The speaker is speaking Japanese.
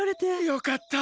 よかった。